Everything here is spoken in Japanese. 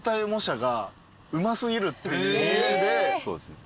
そうですね。